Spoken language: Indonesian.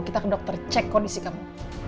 kita ke dokter cek kondisi kamu